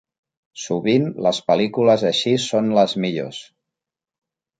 Sovint les pel·lícules així són les millors.